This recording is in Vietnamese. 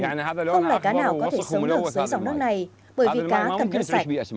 không lẽ cá nào có thể sống ở dưới dòng nước này bởi vì cá cầm nước sạch